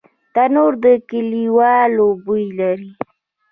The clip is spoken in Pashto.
تنور د کلیوالو بوی لري